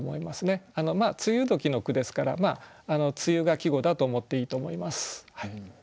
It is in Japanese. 梅雨時の句ですから「梅雨」が季語だと思っていいと思います。